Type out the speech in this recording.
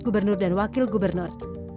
gubernur dan wakil gubernur